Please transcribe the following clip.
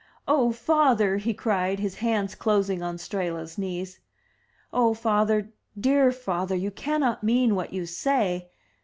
"Oh, father! he cried, his hands closing on Strehla's knees. "Oh, father, dear father, you cannot mean what you say?